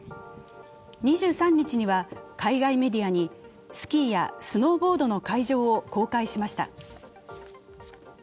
２３日には海外メディアにスキーやスノーボードの会場を公開しました。